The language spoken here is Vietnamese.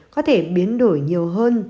có thể biến đổi nhiều hơn